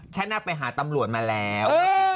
ชั้นจะไปหาตัำรวจมาแล้ว